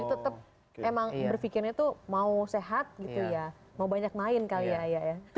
tetep emang berfikirnya tuh mau sehat gitu ya